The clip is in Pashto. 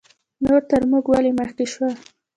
نور تر موږ ولې مخکې شول؟